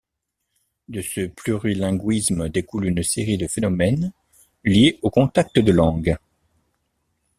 De ce plurilinguisme découle une série de phénomènes liés aux contacts de langues.